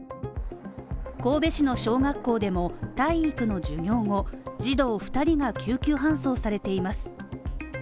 神戸市の小学校でも体育の授業後児童２人が救急搬送されています。